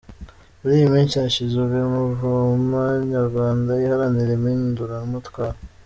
-Muri iyi minsi hashinzwe muvoma Nyarwanda iharanira impinduramatwara.